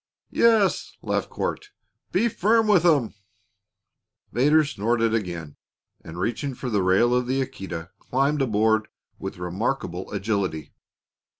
"Yes," laughed Court; "be firm with 'em!" Vedder snorted again and, reaching for the rail of the Aquita, climbed aboard with remarkable agility.